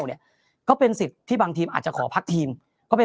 เนี่ยก็เป็นสิทธิ์ที่บางทีมอาจจะขอพักทีมก็เป็น